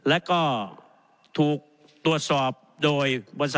อาทิตย์